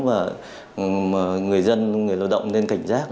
và người dân người lao động nên cảnh giác